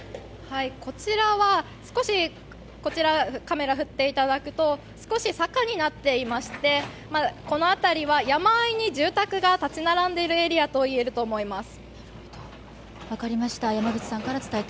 こちらは少し坂になっていましてこの辺りは山あいに住宅が立ち並んでいるエリアといえると思います。